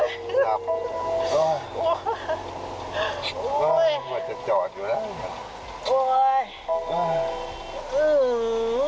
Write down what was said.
มันจะจอดอยู่แล้ว